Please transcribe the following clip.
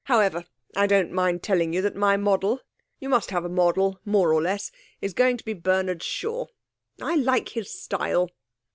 However, I don't mind telling you that my model you must have a model, more or less is going to be Bernard Shaw. I like his style.'